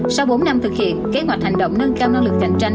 sau bốn năm thực hiện kế hoạch hành động nâng cao năng lực cạnh tranh